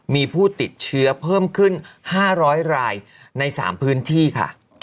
มีผู้ติดเชื้อเพิ่มขึ้น๕๐๐รายใน๓พื้นที่ค่ะ